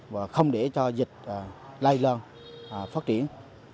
và không để cho dịch lai lơn phát triển